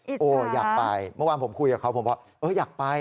อิจฉาะอยากไปมันว่าผมคุยกับเขาผมบอกอยากไป